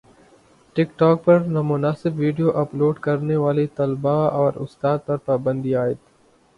ٹک talk پر نامناسب video upload کرنے والی طالبہ اور استاد پر پابندی عائد